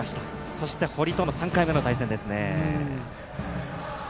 そして、堀との３回目の対戦ですね。